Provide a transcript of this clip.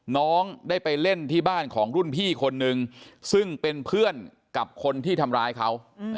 น้องได้ไปเล่นที่บ้านของรุ่นพี่คนนึงซึ่งเป็นเพื่อนกับคนที่ทำร้ายเขา